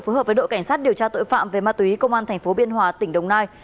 phù hợp với đội cảnh sát điều tra tội phạm về ma túy công an tp biên hòa tỉnh đồng nai